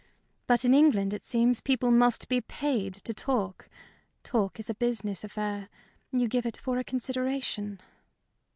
But in England, it seems, people must be paid to talk. Talk is a business affair you give it for a consideration."